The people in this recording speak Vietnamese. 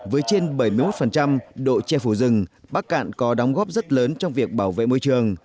với trên bảy mươi một độ che phủ rừng bắc cạn có đóng góp rất lớn trong việc bảo vệ môi trường